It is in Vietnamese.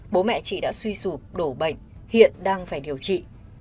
bố mẹ chị đã suy sụp đổ bệnh hiện đang phải điều trị